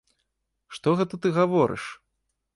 Што гэта ты гаворыш?